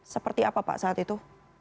seperti apa pak saat itu